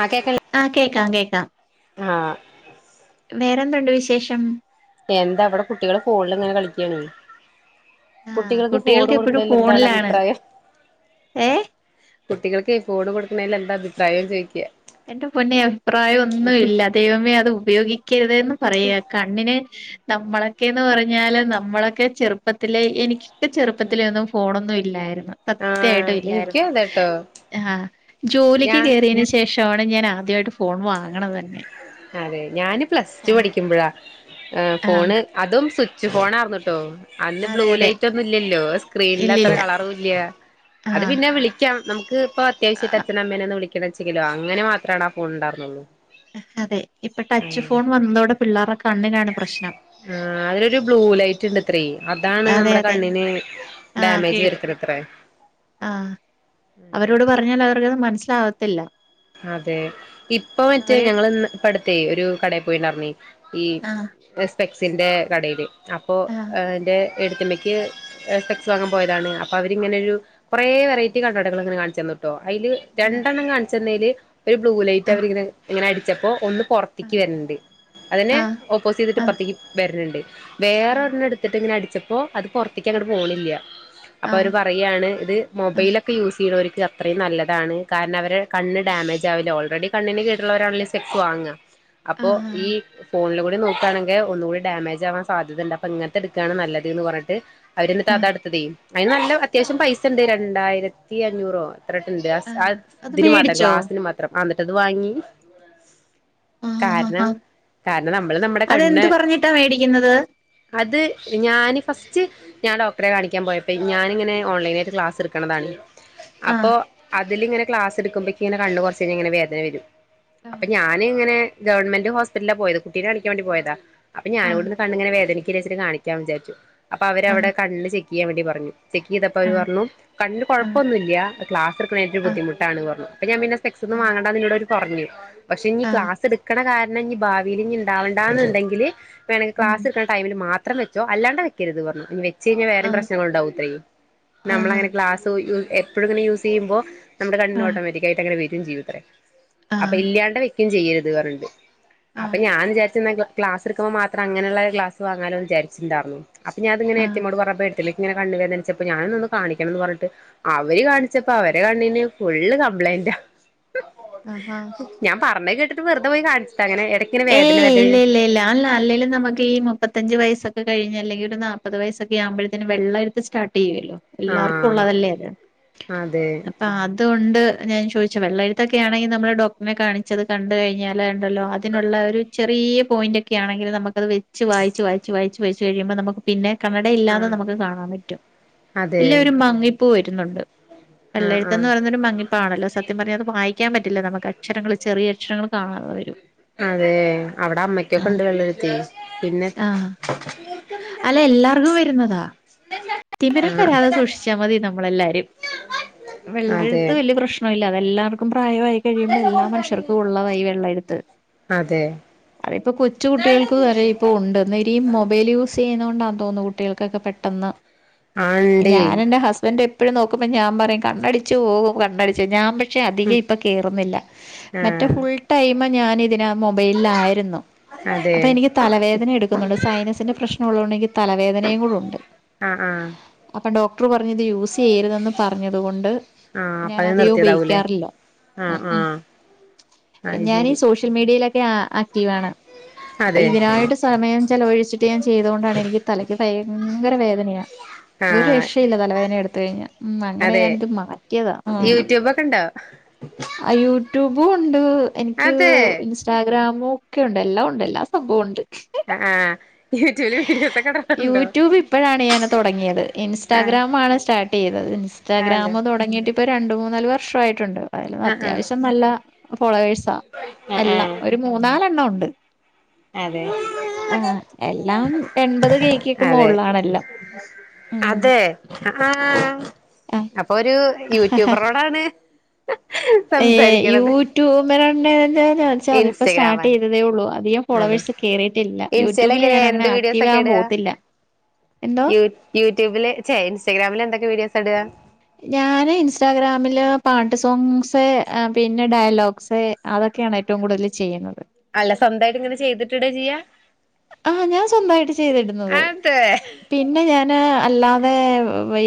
ആഹ് കേക്കണി ആഹ് കേക്കാം കേക്കാം. ആഹ് വേറെന്തുണ്ട് വിശേഷം? എന്താ വടെ കുട്ടികള് ഫോൺള്ള് ങ്ങനെ കളിക്കാണേ. ആഹ് കുട്ടികൾക്ക് ഫോണ് എപ്പഴും കൊടുക്കണേല് എന്താണ് ഫോണിലാണ് അഭിപ്രായം? ഏഹ് കുട്ടികൾക്ക് ഈ ഫോണ് കൊട്ക്ക്ണേല് എന്താ അഭിപ്രായം ചോയിക്കാ? എന്റെ പൊന്നേ അഭിപ്രായം ഒന്നു വില്ല. ദൈവമേ അത് ഉപയോഗിക്കര്‌തേന്ന് പറയാ. കണ്ണിന് നമ്മളൊക്കേന്ന് പറഞ്ഞാല് നമ്മളൊക്കെ ചെറുപ്പത്തിലേ എനിക്ക് ൻ്റെ ചെറുപ്പത്തിലെ ഒന്നും ഫോണൊന്നും ഇല്ലായിരുന്നു. ആ സത്യായിട്ടും എനിക്കും ഇല്ലായിര്ന്ന്. അതെട്ടോ ആഹ് ജോലിക്ക് ഞാൻ കേറിയേന് ശേ ശേഷവാണ് ഞാൻ ആദ്യവായിട്ട് ഫോൺ വാങ്ങണത് തന്നെ. അതെ. ഞാന് പ്ലസ് ടു ആഹ് പഠിക്കുമ്പഴാ. ആഹ് ഫോണ് അതും സ്വിച്ച് ഫോണ് ആർന്ന്ട്ടൊ. അന്ന് ബ്ലൂ അതെ അതെ ലൈറ്റ് ഒന്നും ഇല്യല്ലൊ. സ്ക്രീനിൽ അത്ര ഇല്ലില്ല കളറും ഇല്യാ. അത് ആഹ് പിന്നെ വിളി- ക്കാം. നമുക്ക് പ്പൊ അത്യാവശ്യയിട്ട് അച്ഛനെ, അമ്മനെ ഒന്ന് വിളിക്കണം ചെങ്കിലൊ അങ്ങനെ മാത്രാണ് ആ ഫോൺ ണ്ടാർന്നൊള്ളു. അതെ. ഇപ്പൊ ടച്ച് ഫോൺ വന്നതോടെ പിള്ളേർടെ കണ്ണ്നാണ് പ്രശ്നം. ആഹ് അതിനൊരു ബ്ലൂ ലൈറ്റ്ണ്ട്. ത്രി. അതാണ് അതെ നമ്മുടെ അതെ കണ്ണിന് ആഹ് ഡാമേജ് കേട് വര്ത്ത്ണത്രേ. ആഹ്. അവരോട് പറഞ്ഞാൽ അവർക്കത് മൻസ്സിലാവത്തില്ല. അതെ. ഇപ്പൊ മറ്റേ ഞങ്ങള് ന്ന് ഇപ്പ അട്ത്തെ ഒരു കടേ പോയിണ്ടാർന്നെ ഈ ആഹ് ഒര് സ്പെക്സിന്റെ കടേല്. അപ്പോ ആഹ് ഏഹ് എന്റെ ഏടത്ത്യമ്മക്ക് സെപെക്സ് വാങ്ങാം പോയതാണ്. അപ്പൊ അവരിങ്ങനെ ഒരു കെറേ വെറൈറ്റി കണ്ണടകള് ങ്ങനെ കാൺ ച്ചെന്നു... ട്ടൊ. അയില് ആഹ് രണ്ടെണ്ണം കാൺച്ചെന്നേല് ഒരു ബ്ലൂ ലൈറ്റ് ആഹ് അവരിങ്ങനെ ഇങ്ങനെ അടിച്ചപ്പൊ ഒന്ന് പൊർത്തിക്ക് വെര്ന്ണ്ട്. അതിനെ ആഹ് ഓപ്പോസെയ്തിട്ട് ആഹ് ഇപ്പർത്തേക്ക് വെര്ന്ണ്ട്. വേറെ ആഹ് ഒരെണ്ണെ ട് ട്ത്ത്ട്ട് ങ്ങനെ അടിച്ചപ്പൊ അത് പൊർത്തേക്ക് അങ്ങട്ട് പോണില്ല്യ. അപ്പൊ ആഹ് അവര് പർ.... പറയാണ് ത് മൊബൈലൊക്കെ യൂ സെയ്യ്ണോർക്ക് അത്രയും നല്ലതാണ്. കാരണം അവരെ കണ്ണ് ഡമേജ് ആവില്ല. ഓൾറെഡി കണ്ണിന് കേട്ള്ളവരാണല്ലെ ഈ സ്പെക്സ് വാങ്ങാ. ആഹ് അപ്പൊ ഈ ആഹ് ഫോൺലും കൂടി നോ ട്ടാണങ്കെ ഒന്നു കൂടി ഡാമേജ് ആവാൻ സധ്യതണ്ട്. അപ്പ ഇങ്ങൻത്തെ എടുക്കാണ് നല്ലത് ന്ന് പർഞ്ഞിട്ട് അവര് എന്നിട്ട് ആഹ് അതാട്ത്തതെ. അയിന് നല്ല അത്യാവശ്യം പൈസ ണ്ട്. രണ്ടായിരത്തി അഞ്ഞൂറൊ ത്രഡ്ണ്ട്. ആഹ് സ് ആ അത് തിന് മാത്രം മേടിച്ചോ ഗ്ലാസിന് മാത്രം. ആഹ് ന്നിട്ടത് വാങ്ങി. ആഹ് ആഹ് കാരണം ആഹ് കാരണം നമ്മള് നമ്മടെ അതെന്ത് കണ്ണ് പറഞ്ഞിട്ടാ മേടിക്കുന്നത് അത് ഞാന് ഫസ്റ്റ് ഞാൻ ഡോക്റെ കാണിക്കാൻ പോയപ്പെ ഞാന്ങ്ങനെ ഓൺലൈനായിട്ട് ക്ലാസ് ട്ക്ക് ണതാണ് അപ്പൊ ആഹ് അതില് ങ്ങനെ ക്ലാസ് ട്ക്കുമ്പ ഇക്ക് ങ്ങനെ കണ്ണ് കൊർച്ച് കഴിഞ്ഞാ ഇങ്ങനെ വേദന വരും. അപ്പ ആഹ് ഞാന് ങ്ങനെ ഗവൺമെന്റ് ഹോസ്പിറ്റൽലാ പോയത്. കുട്ടീനെ കാണിക്കാം വേണ്ടി പോയതാ. അപ്പൊ ആഹ് ഞാന്വ്ട്ന്ന്..... കണ്ണ്ങ്ങനെ വേദനിക്കല്ലെച്ചിട്ട് കാണിക്കാൻ വിചാരിച്ചു. അപ്പൊ അവരെ ആഹ് അവടെ കണ്ണ് ചെക്കെ യ്യാൻ വേണ്ടി പറഞ്ഞു. ചെക്കെയ്തപ്പൊ അവര് പറഞ്ഞു കണ്ണിന് ആഹ് കൊഴപ്പൊന്നുല്യാ. ക്ലാസ് ട്‌ക്ക്ണേൻ്റെ ആഹ് ബുദ്ധിമു.... ട്ടാണ് പറഞ്ഞു. അപ്പൊ ഞാൻ പിന്നെ സ്പെക്സ് ഒന്നും ആഹ് വാങ്ങണ്ടാന്ന് ന്നോട് അവര് പറഞ്ഞു. പക്ഷെ ഞ്ഞി ആഹ് ക്ലാസ്ട് ട് ക്കെണ കാരണം ഇനി ഭാവീല് ഞ്ഞി ണ്ടാവണ്ടാ ന്ന് ണ്ടെങ്കില് വേണങ്കി ഉം ക്ലാസ്ട്ക്ക്ണ- ടൈമ് ല് മാത്രം വെച്ചൊ. അല്ലാണ്ട വെക്കരുത് പർഞ്ഞു. വെ ച്ചെഴിഞ്ഞാ വേറെം ആഹ് പ്രശ്നങ്ങൾണ്ടാവുംത്രേ. ആഹ് നമ്മളങ്ങെ ക്ലാസ് ഒ ഴു എപ്പഴും ങ്ങനെ യൂസെയ്യ് മ്പൊ നമ്മുടെ കണ്ണ്ന് ആഹ് ഓട്ടോമെറ്റിക്കായിട്ട് അങ്ങനെ വരും ചെയ്യ ത്രെ. അപ്പ ആഹ് ഇല്ല്യാണ്ട വെയ്ക്കയും ചെയ്യരുത് പർഞ്ഞ്ണ്ട്. ആഹ് അപ്പ ഞാന് വിചാരിച്ചെന്നാ ൻക്ക് ക്ലാസ്ട്ക്കുമ്പം മാത്രം അങ്ങനെള്ള ക്ലസ് വാങ്ങാലോന്ന് വിചാരിച്ചിണ്ടാർന്നു. അപ്പ ഞാ ത്ങ്ങെ ഏട്ത്തിയമ്മയോട് വർത്തപ്പൊ ഏ... ട്ട് ലേക്ക് ങ്ങനെ കണ്ണ് വേദനിച്ച പ്പൊ ഞാനൊന്ന് കാണിക്കണം ന്ന് പർഞ്ഞിട്ട് അവര് കാണിച്ചപ്പ അവരെ കണ്ണിന് ഫുള്ള് കംപ്ലൈന്റാ. ആഹ് ഹാ ഞാൻ പറഞ കേട്ടിട്ട് വെറുതെ പോയി കാണിച്ചിട്ട് അങ്ങനെ എടക്ക്- ഏയ് ഇല്ല ഇല്ല ഇല്ല അല്ല അല്ലേലും നമുക്ക്- ഈ മുപ്പത്തഞ്ച് വയസൊക്കെ കഴിഞ് അല്ലെങ്കിൽ ഒരു നാപ്പത് വയസൊക്കെ ആകുമ്പഴത്തേന് വെള്ളയെഴുത്ത് ഒക്കെ സ്റ്റാർട്ട്‌ ചെയ്യുമല്ലോ എല്ലാർക്കും ആഹ് ഉള്ളതല്ലേ അത് അതെ ഇപ്പ അതൊണ്ട് ഞാൻ ചോദിച്ച വെള്ളയെഴുത്തൊക്കെ ആണെങ്കിൽ നമ്മള് ഡോക്ടറിനെ കാണിച്ചത് കണ്ട് കഴിഞ്ഞാൽ ഉണ്ടല്ലോ- അതിനുള്ള ഒരു ചെറിയ പോയിന്റ് ഒക്കെ ആണെങ്കിൽ നമുക്കത് വെച്ച് വായിച്ച് വായിച്ച് വായിച്ച് കഴിയുമ്പോൾ നമുക്ക്- പിന്നെ കണ്ണട ഇല്ലാതെ ആഹ് നമുക്ക് കാണാൻ പറ്റും അതെ ഇല്ലെ ഒരു മങ്ങിപ്പ് വരുന്നുണ്ട് ആഹ് വെള്ളയെഴുത്ത് എന്ന് ആഹ് പറയുന്നത് ഒരു മങ്ങിപ്പ് - പ്പാണല്ലോ സത്യം പറഞ്ഞാ അത് വായിക്കാൻ പറ്റില്ല നമുക്ക് അക്ഷരങ്ങള് ചെറിയ അക്ഷരങ്ങള് കാണാതെ വരും അതെ അവിടെ അമ്മക്കൊക്കെ ഉണ്ടായിരുന്നെ വെള്ളയെഴുത്തെ പിന്നെ- ആഹ് അല്ല എല്ലാർക്കും വരുന്നതാ. തിമരം ആഹ് വരാതെ സൂക്ഷിച്ചാ മതി നമ്മളെല്ലാരും അതെ വെള്ളയെഴുത്ത് വലിയ പ്രശ്ന- പ്രശ്നമില്ല അതെല്ലാവർക്കും പ്രായമായി അതെ കഴിയുമ്പോൾ എല്ലാ മനുഷർക്കും ഒള്ളതാ ഈ വെള്ളയെഴുത്ത് അതെ അതെ ഇപ്പോ കൊച്ചു കുട്ടികൾക്ക് വരെ ഇപ്പൊ ഒണ്ട് എന്നുവെരി മൊബൈൽ യൂസ് ചെയ്യുന്നൊണ്ട് ആ തോന്നുന്നു കുട്ടികൾക്കൊക്കെ പെ- പെട്ടെന്ന് ഇണ്ടേ ഞാൻ എന്റെ ഹസ്ബൻഡ് എപ്പഴും നോക്കുമ്പം ഞാൻ പറയും കണ്ണടിച്ചു പോകും കണ്ണടിച്ച് പോകും ഞാൻ പിന്നെ - പക്ഷെ അധികം ഇപ്പൊ കേറുന്നില്ല മറ്റേ ആഹ് ഫുൾ ടൈം ഞാന് ഇതിനാ മൊബൈലിലായിരുന്നു അതെ അപ്പൊ എനിക്ക് തലവേദന എടുക്കുന്നുണ്ട് സയനസിന്റെ പ്രശ്നം ഉള്ളതുകൊണ്ട് എനിക്ക് തലവേദനയും കൂടെ ഒണ്ട് ആഹ് ആഹ് അപ്പൊ ഡോക്ടറു പറഞ് ഇത് യൂസ് ചെയ്യരുതെന്ന് പറഞ്ഞത്കൊണ്ട്- ആഹ് അപ്പ ഞാൻ അത് അധികോം നിർത്തിയതാവൂലേ ഉപയോഗിക്കാറില്ലോ ആഹ് ആഹ് അത് ഞാനീ ശരി സോഷ- സോഷ്യൽ മീഡിയയിലൊക്കെ ആക്റ്റീവ് ആണ് അതെ സമയം ചെലവഴിച്ചിട്ട് ഞാൻ ചെയ്ത കൊണ്ടാണ് എനിക്ക് തലക്ക് ഭയങ്കര വേദനയാ ഒരു ആഹ് രക്ഷയില്ല തലവേദന എടുത്ത് കഴിഞ്ഞ ഉം അങ്ങനെ ഞാൻ ഇത് മാറ്റിയതാ യൂട്യൂബ് ഒക്കെ ഉണ്ടോ ആഹ് യൂട്യൂബും ഒണ്ട് അതെ എനിക്ക്- ഇൻസ്റ്റാഗ്രാമും ഒക്കെ ഒണ്ട് എല്ലാം ഒണ്ട് എല്ലാ സംഭവം ഒണ്ട് ആഹ് ആഹ് യൂട്യൂബില് വീഡിയോസ് ഒക്കെ- ഇടാറുണ്ടോ യൂട്യൂബ് ഇപ്പോഴാണ് ഞാൻ തൊടങ്ങിയത് ആ ഇൻസ്റ്റാഗ്രാാം ആണ് സ്റ്റാർട്ട് ചെയ്തത് അതെ ഇൻസ്റ്റാഗ്രാാം തൊടങ്ങിയിട്ട് ഇ - ഇപ്പൊ രണ്ട് മൂന്നാല് വർഷ ആയിട്ടുണ്ട് അതായാലും ആ ആ അത്യാവശ്യം നല്ല ഫോളോവേഴ്സാ ആ ആ എല്ലാം ഒരു മൂന്നാലെണ്ണം ഒണ്ട് അതെ ആഹ് എല്ലാം എൺപത് കേ ക്ക് ഒക്കെ അതെ മോളിലാണെല്ലാം ഉം അതെ ആഹാ അപ്പൊ ഒരു യൂട്യൂബറോടാണ്- ഏയെ സംസാരിക്കണത് യൂട്യൂബ് എന്താ വെച്ചാൽ അതിപ്പോ സ്റ്റാർട്ട് ഇൻസ്റ്റഗ്രാമിൽ ചെയ്തതേ ഉള്ളൂ അധികം- അതെ ഫോളോവേഴ്സ് കേയറിയിട്ടില്ല ഇൻസ്റ്റയിൽ യൂട്യൂബില് എങ്ങനെ ഞാൻ അങ്ങനെ എന്ത് വീഡിയോസ് ആക്റ്റീവ് ഒക്കെ ആകാൻ ഇടുക പോത്തില്ല എന്തോ യൂ യൂട്യൂബില് ഛെ ഇൻസ്റ്റഗ്രാമില് എന്തൊക്കെ വീഡിയോസ് ആ ഇടുക ഞാന് ഇൻസ്റ്റാഗ്രാമില് പാട്ട് സോങ്സ് പിന്നെ ഡയലോഗ്സ് അതൊക്കെയാണ് ഏറ്റവും കൂടുതല് ചെയ്യുന്നത് അല്ല സ്വന്തമായിട്ട് ഇങ്ങനെ ചെയ്തിട്ട് ഇടുവാ ചെയ്യാ ആഹ് ഞാൻ സ്വന്തമായിട്ട് ചെയ്തിടുന്നത് അതെ പിന്നെ ഞാന് അല്ലാതെ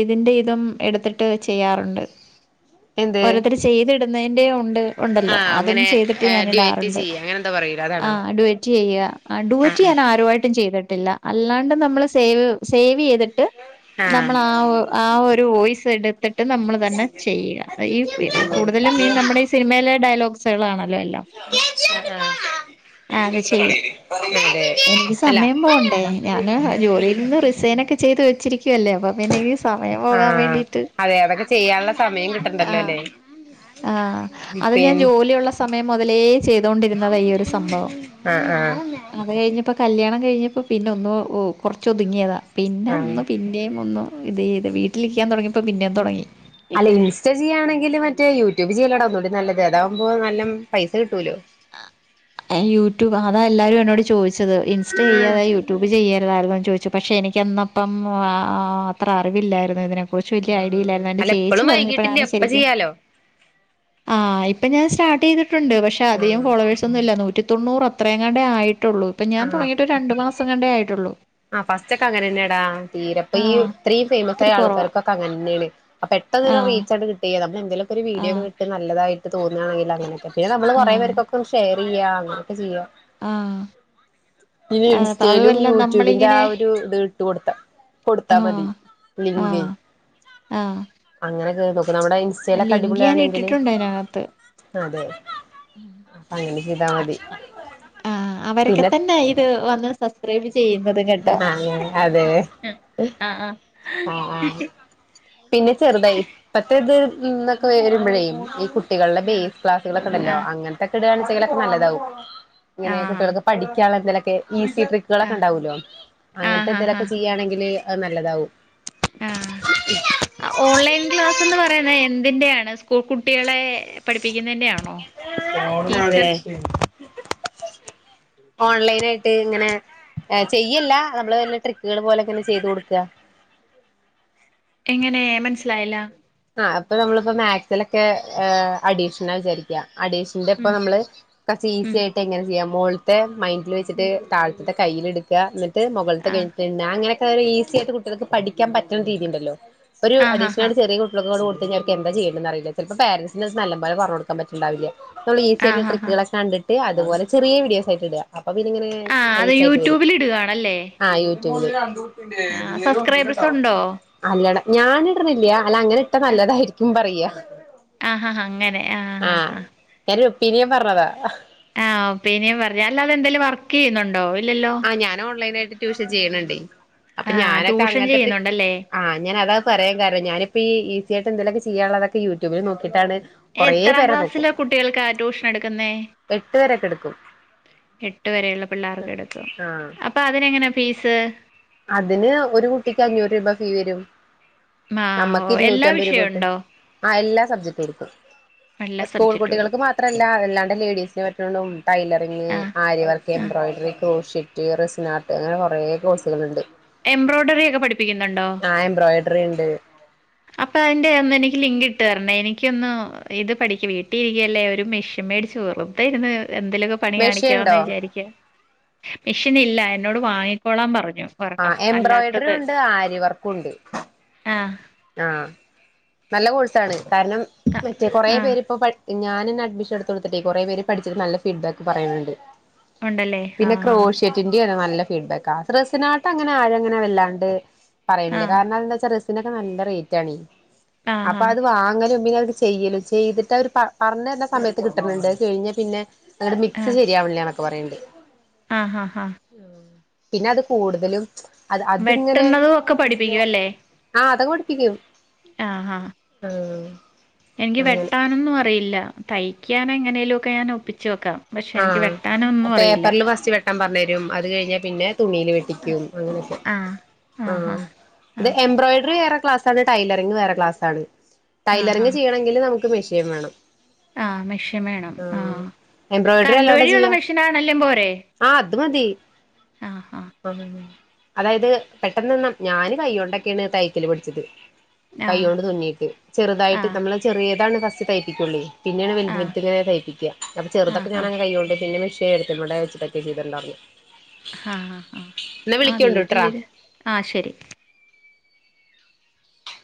ഇതിന്റെ ഇതും എടുത്തിട്ട് ചെയ്യാറുണ്ട് എന്ത് ഓരോരുത്തര് ചെയ്തിടുന്നതിന്റെയും ഒണ്ട് ഒണ്ടല്ലോ ആഹ് അതും അങ്ങനെ ചെയ്തിട്ട് ഞാൻ ഡിവൈറ്റ് ഇടാറുണ്ട് ചെയ്യ അങ്ങനെ എന്താ പറയൂലെ അതാണോ ആഹ് ഇടും - റ്റ് ചെയ്യ അടൂട്ടി ആഹ് ഞാൻ ആരുവായിട്ടും ചെയ്തിട്ടില്ല അല്ലാണ്ട് നമ്മള് സേവ് സേവ് ചെയ്ത് ട്ട് ആഹ് നമ്മള് ആ ഒ ആ ഒരു വോയ്സ് എട് ത്തിട്ട് നമ്മള് തന്നെ ചെയ്യ ഈ കൂടുതലും ഈ നമ്മടെ ഈ സിനിമയിലെ ഡയലോഗ്സ് ഗ്സുകളാണല്ലോ എല്ലാം [inaudible] ആ അത് ചെയ്യും അതെ എനിക്ക് അല്ല സമയം പോണ്ടേ ഞാന് ജോലിയിൽ നിന്ന് റിസൈനക്കെ ചെയ്ത് വെച്ചിരിക്കുവല്ലേ അപ്പൊ പിന്നെ എനിക്ക് സമയം പോകാം വേണ്ടിട്ട് ചെയ്യാള്ള സമയം കിട്ട്ണ്ടല്ലോ ആഹ് അല്ലേ ആഹ് അത് ഞാൻ പിന്നെ ജോലിയുള്ള സമയം മുതലേ ചെയ്തോണ്ടിരുന്നതാ ഈ ഒരു സംഭവം ആഹ് ആഹ് അത് കഴിഞ്ഞപ്പ കല്യാണം കഴിഞ്ഞപ്പ പിന്നെ ഒന്ന് കൊർച്ച് ഒതുങ്ങിയതാ പിന്നെ ആഹ് ഒന്ന് പി പിന്നേം ഒന്നു ഇത് ഇത് വീട്ടിലിരിക്ക്യാം തൊടങ്ങിയപ്പോ പിന്നെ ഉം അല്ല ഇൻസ്റ്റ ചെയ്യാണെങ്കില് മറ്റേ യൂട്യൂബ് ചെയ്യല്ലെടാ ഒന്നൂടി നല്ലത് അതാവുമ്പോ നല്ലം പൈസ കിട്ടോലോ യൂട്യൂബ് അതാ എല്ലാരും എന്നോട് ചോയിച്ചത് ഇൻസ്റ്റ ഉം ചെയ്യാതാ യൂട്യൂബ് ചെയ്യര്താര്ന്നോ ചോയിച്ച പക്ഷെ എനിക്ക് അന്നപ്പം ആ അത്ര അറിവില്ലായിരുന്നു ഇതിനെ [unintelligible] ഐഡി ആഹ് ഇല്ലായിരുന്നു എന്റെ അല്ല ചേച്ചി എപ്പളും വൈകിട്ടില്ല പറഞ്ഞപ്പഴാണ് എപ്പ ശരിക്കും ചെയ്യാലോ ആ ഇപ്പ ഞാൻ സ്റ്റാർട്ട് ചെയ്തിട്ടുണ്ട് പക്ഷെ അ അധികം ആഹ് ഫോളെവേഴ്സൊന്നും ഇല്ല നൂറ്റി തൊണ്ണൂറോ അത്രയങാണ്ടേ ആയിട്ടോള്ളൂ ഇപ്പം ഞാൻ ആഹ് തോട്ങ്ങീട്ട് രണ്ട് മാസങ്ങാണ്ടേ ആയിട്ടോള്ളു ആ ഫസ്റ്റ് ഒക്ക അങ്ങനെന്നെടാ തീരപ്പ ആ ഈ ഇത്രീം ഫേമസ് ആയ ഇത്തിരി കുറവാ ആൾക്കാർക്കൊക്ക അങ്ങൻന്നെണ് അ ആ പെട്ടെന്നൊരു റീചാണ്ട് കി ട്ടി നമ്മള് എന്തെലൊക്കെ ഒരു ആ വീഡിയോക്ക ഇട്ട് നല്ലതായിട്ട് തോന്നാണെങ്കില് അങ്ങനെക്കെ പിന്ന നമ്മള് ആ കോറെ പേർക്കോക്കെ ഷെയ ചെയ്യ അങ്ങനെക്കെ ചെയ്യ ആഹ് ആ അപ്പ അതു ഇൻസ്റ്റയിലും അല്ല യൂട്യൂബിന്റെ ആ നമ്മളിങ്ങനെ ഒരു ഇത് ഇട്ട് കൊടുത്ത കൊട്ത്താ മതി ആഹ് ലിങ്കേ ആഹ് ആഹ് അങ്ങനെക്കെ നോക്ക നമ്മുടെ ഇൻസ്റ്റെലക്ക ലിങ്ക് ഞാൻ അടിപൊളിയാണെങ്കില് ഇട്ടിട്ടുണ്ട് അതിനകത്ത് അതെ അപ്പ അങ്ങനെ ചെയ്താ മതി ആഹ് അവരെക്കെ പിന്നെ തന്നെ ഇത് വന്ന് സ ബ്സ്ക്രൈബ് ചെയ്യുന്നതും കേട്ട അതെ ആഹ് ആഹ് ആ ആ പിന്നെ ചെറ്തായി ഇപ്പത്തെ ഇത് ന്നൊക്ക വരുമ്പഴേ ഈ കു ട്ടികൾടെ ആഹ് ബേസ് ക്ലാസുകളൊക്കെ ഇണ്ടല്ലോ ആഹ് അങ്ങൻത്തെക്കെ ഇടാൺച്ചങ്കിലൊക്ക നല്ലതാവും ആഹ് ഇങ്ങനെ ആഹ് കുട്ടികൾക്ക് പഠിക്ക്യാൻ ഇള്ള എന്തേലൊക്കെ ഈസി ട്രി ക്ക്കളൊക്കെ ആഹ് ഇണ്ടാവോല്ലോ അങ്ങൻത്തെ ആഹ് ആഹ് ആഹ് എന്തേലൊക്കെ ആഹ് ചെയ്യാണെങ്കില് അത് നല്ലതാവും ആഹ് ഓൺലൈൻ ക്ലാസ്ന്ന് പറയുന്ന എ ന്തിന്റെ ആണ് സ്കൂൾ കുട്ടികളെ പഠിപ്പിക്കുന്നെന്റെ ആണോ അതെ ടീച്ചർ ഓൺലൈനായിട്ട് ഇങ്ങനെ ഏ ചെയ്യല്ല നമ്മള് വല്ല ട്രിക്കുകള് പോലെ ഇങ്ങനെ ചെയ്ത് കൊടുക്ക എങ്ങനെ മൻസ്സിലായില്ല ആ അപ്പ നമ്മള്പ്പോ മാക്സിലൊക്കെ അഡീഷണൽ വിചാരി അഡീഷ്ന്റെ ഇപ്പ ഉം നമ്മള് കൊർച്ച് ഉം ഈസി ആയിട്ട് എങ്ങനെ ചെയ്യാം മോൾത്തെ മൈൻഡില് വെച്ചിട്ട് തായ്‌ ത്തെ കയ്യില് ഇട്ക്ക ന്നട്ട് മോകൾത്തെ ആഹ് കഴിഞ്ഞിട്ട് ണ അങ്ങനെക്കെ ഈസി ആയിട്ട് കുട്ടികൾക്ക് പഠിക്ക്യാം പറ്റ്ണ രീതിണ്ടല്ലോ ഒരു ആഹ് ആഹ് ആഹ് അഡീഷനായിട്ട് ചെറിയ കു ഉള്ള ക്കപാടെ കൊടുത്ത് കഴിഞ്ഞ അവർക്ക് എന്താ ചെയ്യണ്ടെന്നറിയില്ല ചെലപ്പോ പാരൻസിന് നല്ലം പോലെ പർഞ് കൊടുക്കാം പറ്റ്ണ്ടാവില്ല്യ നമ്മള് ഈസി ആയ്ട്ടുള്ള ആഹ് ആഹ് ട്രിക്കുകളക്കെ കണ്ടിട്ട് അതുപോലെ ചെറിയ വീഡിയോസ് ആയിട്ട് ഇട അപ്പൊ പിന്നെ ഇങ്ങനെ ആഹ് അത് റീച്ച് ആയിട്ട് വരും യൂട്യൂബിൽ ഇടുകയാണല്ലേ ആ യൂടൂബില് ആഹ് സബ്സ്ക്രൈബേഴ്സ് ഉണ്ടോ അല്ലട ഞാനിട്ണ്ല്ല അല്ല അങ്ങനെ ട്ട ആ നല്ലതായിരിക്കും പറയാ അങ്ങനെ ആഹ് ഹാ ആഹ് ഞാനൊരു ഒപ്പീനിയൻ പർഞ്ഞതാ ആഹ് ഒപ്പീനിയൻ പർഞ്ഞതാ. അല്ലാത എന്തെലും വർക്കെയ്യുന്നുണ്ടോ ഇല്ലല്ലോ. ആഹ് ഞാൻ ഓൺലൈൻ ആയിട്ട് ട്യൂഷൻ ചെയ്യണ്‌ണ്ടേ അപ്പൊ ആഹ് ഞാനൊക്കെ ട്യൂഷൻ അങ്ങൻത്തെ ട്രിക് ചെയ്യുന്നുണ്ടല്ലേ? ആഹ് അങ്ങനെ അതാ പറയാം കാരണം ഞാനിപ്പ ഈ ഈസി ആയിട്ട് എന്തെലൊക്കെ ചെയ്യാനുള്ളതൊക്കെ യൂട്യൂബില് നോക്കിയിട്ടാണ് കൊറേ എത്രാം പേരെ നോക്കും ക്ലാസ്സിലാ കുട്ടികൾക്കാ ട്യൂഷൻ എടുക്കുന്നേ എട്ട് വരൊക്കെ എടുക്കും എട്ട് വരെയുള്ള പിള്ളേർക്ക് എടുക്കും ആഹ് അപ്പൊ അതിന എങ്ങനാ ഫീസ് അതിന് ഒരു കുട്ടിക്ക് അഞ്ഞൂറ് രൂപ ഫീ വരും ആഹ് നമ്മക്ക് ഓഹ് ഇരുന്നൂറ്റ എല്ലാ അമ്പത് രൂപ കിട്ടും' വിഷയോണ്ടോ? ആ എല്ലാ സബ്ജക്ട് എടുക്കും എല്ലാ സബ്ജക്‌റ്റെടു ത്രല്ല അല്ലാണ്ടെ ലേഡീസിനെ പറ്റുന്നും ടൈലറിംഗ് ആഹ് ആര്യവർക്ക് ആഹ് എംബ്രോയ്ഡറി [unintelligible] ർഷിറ്റ് [unintelligible] അങ്ങനെ കൊറേ കോഴ്സുകള്ണ്ട് എംബ്രോയ്ഡറിയ ഒക്കെ പഠിപ്പിക്കുന്നുണ്ടോ ആഹ് എംബ്രോയിഡറി ഇണ്ട് പ്പ അയ്ന്റെ ഒന്ന് എനിക്ക് ലിങ്ക് ഇട്ട് തരണേ എനിക്കൊന്ന് ഇത് പഠിക്ക്. വീട്ടി ഇരിക്കുയല്ലേ ഒരു മെഷ്യൻ മേടിച്ച് വെറുതയിരുന്നു എന്തെലൊക്ക പണി മെഷീൻ കാണിക്കാന്ന് ഉണ്ടോ വിചാരിക്ക. മെഷീൻ ഇല്ല എന്നോട് വാങ്ങിക്കോളാൻ പറഞ്ഞു. ആ ഒരെണ്ണം എംബ്രോയിഡറി അല്ലാത്തത് ഉണ്ട് ആര്യവർക്കും ഉണ്ട്. ആഹ് ആഹ് നല്ല കോഴ്സാണ് കാരണം ക മറ്റേ കൊറേ ആഹ് പേരിപ്പോ പഠി ഞാനന്നെ അഡ്മിഷൻ എടുത്തടുട്ടേ കൊറെ പേര് പഠിച്ച്ട്ട് നല്ല ഫീഡ് ബാക്ക് പറയ്ണ് ണ്ട് ഉണ്ടല്ലേ പിന്നെ ആഹ് ക്രോഷ്യറ്റിന്റെ നല്ല ഫീഡ്ബാക്ക് ആ റസിനാട്ട അങ്ങനെ ആരുങ്ങനെ വല്ലാണ്ട് പറയലില്ലേ. ആഹ് കാരണംന്താ വച്ചാ റിസിനൊക്കെ നല്ല റേറ്റ് ആണെ ആഹ് അപ്പൊ ആഹ് അത് വാങ്ങലും പിന്നെ ചെയ്യല് ചെയ്തിട്ട് അവര് പ പർഞ്ഞര്ന്ന സമയത്ത് കിട്ട്ണ് ണ്ട് കഴിഞ്ഞ പിന്നെ. അങ്ട്ട് മിക്സ് ആഹ് ശരിയാവ്ണില്ലാന്നൊക്കെ പറയ്ണ്ട് ആഹ് ഹ ഹ പിന്നെ അത് കൂടുതലും അത് അത്ങ്ങനെ വെട്ടുന്നതും ഒക്കെ പഠിപ്പിക്കും ആഹ് അത് കൊട്ത്തീനു ആഹ്ഹാ ആഹ് എനിക്ക് അങ്ങനെ വെട്ടാനൊന്നും അറിയില്ല. തയ്ക്കാനൻ എങ്ങനേലും ഒക്കെ ഞാൻ ഒപ്പിച്ച് വെക്കാം പക്ഷെ എനിക്ക് വെട്ടാൻ പേപ്പറിൽ ഫസ്റ്റ് വെട്ടാൻ പർഞ്ഞരും. അത് കഴിഞ്ഞാ പിന്നെ തുണിയില് വെട്ടിക്കും അങ്ങനെയൊക്കെ. ആഹ് ആഹ് എംബ്രോയ്ഡറി വേറെ ക്ലാസ് [unintelligible] ടൈലറിങ് വേറെ ക്ലാസ് ആണ്. ആഹ് ടൈലറിംങ് ചെയ്യണമെങ്കിൽ നമുക്ക് മെഷീൻ വേണം. ആ മെഷീൻ വേണം. ആ ആഹ് എംബ്രോയിഡറി കറണ്ട് അല്ലാണ്ട് വഴിയുള്ള ചെയ്യാ മെഷീനാണല്ലെം പോരെ ആഹ് അത് മതി ആഹ് ആഹ് അതായത് പെട്ടെന്ന്ന്നും ഞാന് കൈകൊണ്ടൊക്കെയാണ് തൈക്കല് പഠിച്ചത് കൈ ആഹ് കൊണ്ട് തുന്നിയിട്ട്. ചെറുതായിട്ട് ആഹ് നമ്മളെ ചെറിയതാണ് ഫസ്റ്റ് തയ്പ്പിക്കുള്ളേ പിന്നെയാണ് വ ആഹ് [unintelligible] തയ്പ്പിക്ക. അപ്പ ചെറുതൊക്കെ ആഹ് ആഹ് ആഹ് ഞാനങ്ങനെ കയ്യോണ്ട് പിന്നെ മിഷയ എടുത്തിമ്മടെ വെച്ചക്കെ ചെയ്തിട്ടണ്ടഞ്ഞു ആഹ് ആ ആ ആ വിളിക്കോണ്ടുട്ട്രാ വീട്ടിലിരു ആഹ് ശരി